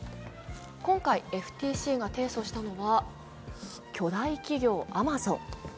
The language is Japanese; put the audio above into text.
今回、ＦＴＣが提訴したのは巨大企業・アマゾン。